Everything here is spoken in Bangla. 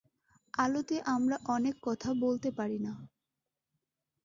আলোতে আমরা অনেক কথা বলতে পারি না।